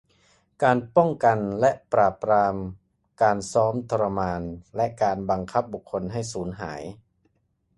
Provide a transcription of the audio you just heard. การป้องกันและปราบปรามการซ้อมทรมานและการบังคับบุคคลให้สูญหาย